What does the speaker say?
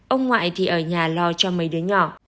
ông ngoại thì ở nhà lo cho mấy đứa nhỏ